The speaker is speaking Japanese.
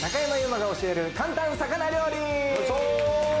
馬が教える簡単魚料理！